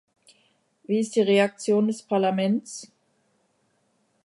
Wie ist die Reaktion des Parlaments?